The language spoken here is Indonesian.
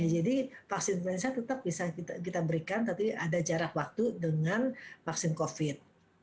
jadi vaksin influenza tetap bisa kita berikan tapi ada jarak waktu dengan vaksin covid